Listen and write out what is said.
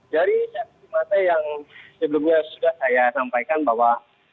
dari saksi mata yang sebelumnya sudah saya sampaikan bahwa